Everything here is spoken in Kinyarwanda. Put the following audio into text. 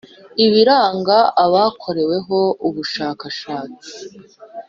Ibiranga Abakoreweho ubushakashatsi